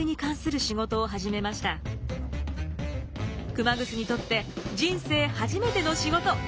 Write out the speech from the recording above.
熊楠にとって人生初めての仕事。